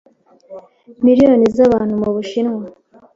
miliyoni z'abantu mu Bushinwa